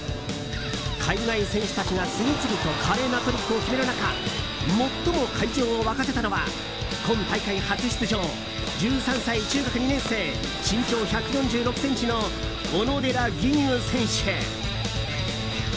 海外選手たちが次々と華麗なトリックを決める中最も会場を沸かせたのは今大会初出場１３歳、中学２年生身長１４６ｃｍの小野寺吟雲選手。